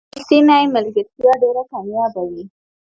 خو رښتینې ملګرتیا ډېره کمیابه ده.